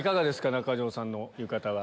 中条さんの浴衣は。